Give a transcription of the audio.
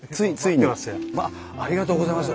ありがとうございます。